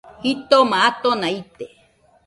Jitoma atona ite